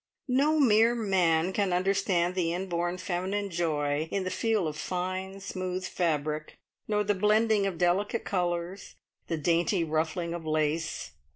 No mere man can understand the inborn feminine joy in the feel of fine smooth fabric, nor the blending of delicate colours, the dainty ruffling of lace.